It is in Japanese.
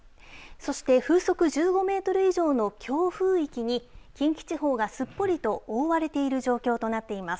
そして風速１５メートル以上の強風域に近畿地方がすっぽりと覆われている状況となっています。